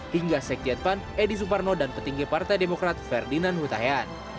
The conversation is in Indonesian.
hingga sekjen pan edi suparno dan petinggi partai demokrat ferdinand hutahian